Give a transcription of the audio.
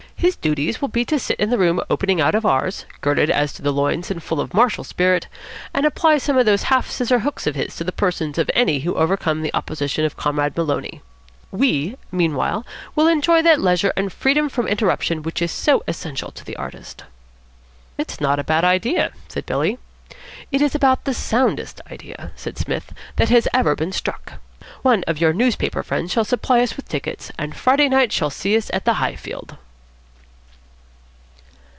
His duties will be to sit in the room opening out of ours, girded as to the loins and full of martial spirit, and apply some of those half scissor hooks of his to the persons of any who overcome the opposition of Comrade Maloney. We, meanwhile, will enjoy that leisure and freedom from interruption which is so essential to the artist." "It's not a bad idea," said Billy. "It is about the soundest idea," said Psmith, "that has ever been struck. One of your newspaper friends shall supply us with tickets, and Friday night shall see us at the Highfield."